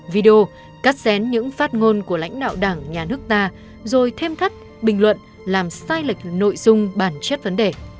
video cắt xén những phát ngôn của lãnh đạo đảng nhà nước ta rồi thêm thắt bình luận làm sai lệch nội dung bản chất vấn đề